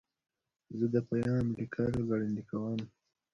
زه د پیام لیکل ګړندي کوم.